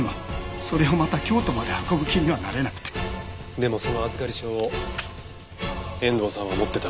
でもその預かり証を遠藤さんは持ってた。